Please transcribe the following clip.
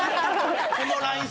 このＬＩＮＥ